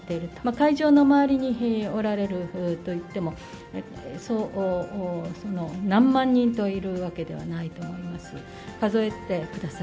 会場の周りにおられるといっても、そう何万人といるわけではないと思います。